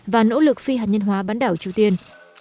và nỗ lực phi hạt nhân hóa bán đảo triều tiên